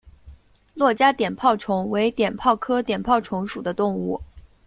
珞珈碘泡虫为碘泡科碘泡虫属的动物。